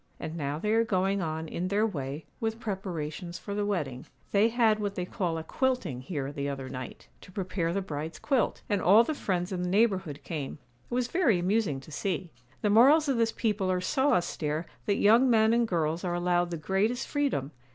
And now they are going on, in their way, with preparations for the wedding. They had what they call "a quilting" here the other night, to prepare the bride's quilt, and all the friends in the neighbourhood came—it was very amusing to see. The morals of this people are so austere that young men and girls are allowed the greatest freedom.